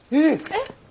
えっ？